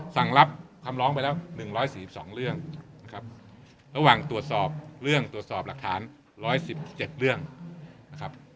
สั่งรับคำร้องไปแล้ว๑๔๒เรื่องนะครับระหว่างตรวจสอบเรื่องตรวจสอบหลักฐาน๑๑๗เรื่องนะครับ